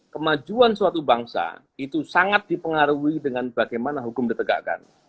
kemajuan suatu bangsa itu sangat dipengaruhi dengan bagaimana hukum ditegakkan